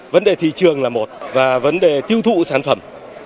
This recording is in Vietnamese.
vấn đề thị trường là một và vấn đề tiêu thụ sản phẩm